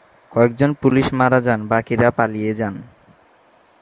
কয়েকজন পুলিশ মারা যান, বাকিরা পালিয়ে যান।